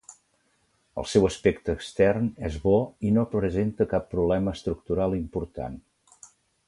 El seu aspecte extern és bo i no presenta cap problema estructural important.